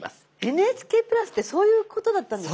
「ＮＨＫプラス」ってそういうことだったんですね。